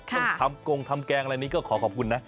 ต้องทำกงทำแกงอะไรนี้ก็ขอขอบคุณนะ